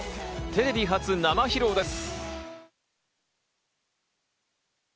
テレビ初、生披露です。